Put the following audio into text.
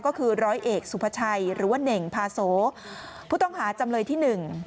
ก็คือร้อยเอกสุพชัยหรือว่าเหน่งพาโสผู้ต้องหาจำนวนที่๑